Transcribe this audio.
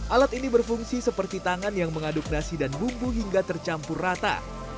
alat ini berfungsi seperti tangan yang mengaduk nasi dan bumbu hingga tercampur rata